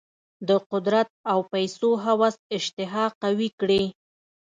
د قدرت او پیسو هوس اشتها قوي کړې.